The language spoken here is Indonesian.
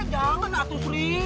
jangan atuh sri